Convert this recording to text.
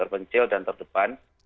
kecil dan terdepan